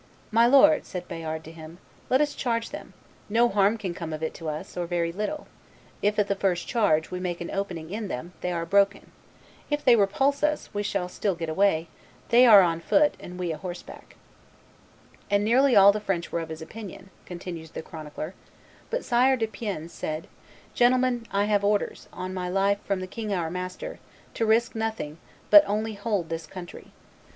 "My lord," said Bayard to him, "let us charge them: no harm can come of it to us, or very little; if, at the first charge, we make an opening in them, they are broken; if they repulse us, we shall still get away; they are on foot and we a horseback;" and "nearly all the French were of this opinion," continues the chronicler; but Sire de Piennes said, Gentlemen, I have orders, on my life, from the king our master, to risk nothing, but only hold his country.